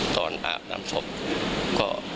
ตอนอาบน้ำชบก็คิดว่า